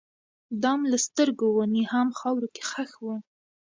دام له سترګو وو نیهام خاورو کي ښخ وو